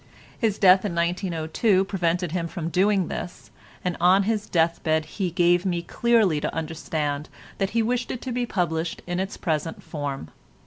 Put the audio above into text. His death in 1902 prevented him from doing this, and on his death bed he gave me clearly to understand that he wished it to be published in its present form.